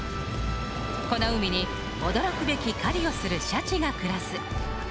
この海に、驚くべき狩りをするシャチが暮らす。